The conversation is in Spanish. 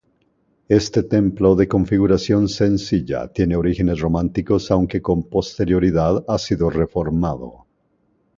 Este templo, de configuración sencilla, tiene orígenes románicos aunque con posterioridad ha sido reformado.